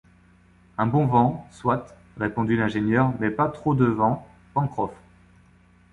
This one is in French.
Un bon vent, soit, répondit l’ingénieur, mais pas trop de vent, Pencroff